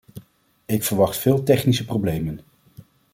Ik verwacht veel technische problemen.